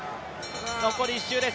残り１周です。